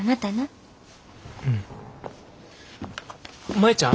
舞ちゃん。